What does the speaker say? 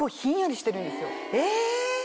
え！